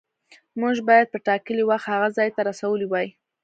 موږ باید په ټاکلي وخت هغه ځای ته رسولي وای.